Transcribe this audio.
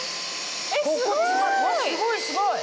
ここすごいすごい！